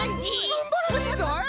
すんばらしいぞい！